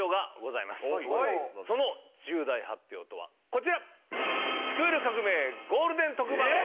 その重大発表とはこちら！